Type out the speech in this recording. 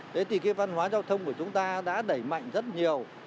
thế thì cái văn hóa giao thông của chúng ta đã đẩy mạnh rất nhiều